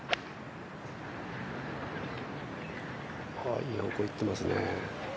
いい方向にいってますね。